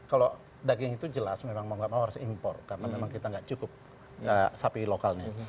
kalau daging itu jelas memang mau nggak mau harus impor karena memang kita nggak cukup sapi lokalnya